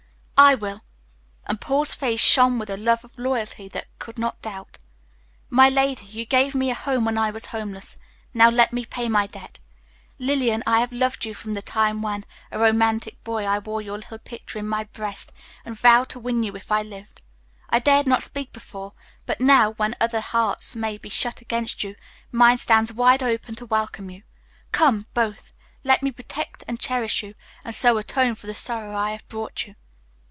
"I will." And Paul's face shone with a love and loyalty they could not doubt. "My lady, you gave me a home when I was homeless; now let me pay my debt. Lillian, I have loved you from the time when, a romantic boy, I wore your little picture in my breast, and vowed to win you if I lived. I dared not speak before, but now, when other hearts may be shut against you, mine stands wide open to welcome you. Come, both. Let me protect and cherish you, and so atone for the sorrow I have brought you."